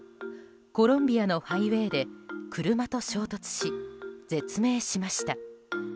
コロンビアのハイウェーで車と衝突し、絶命しました。